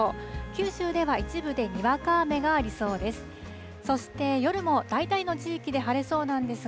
九州では一部でにわか雨がありそうです。